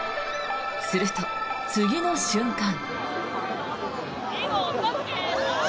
すると、次の瞬間。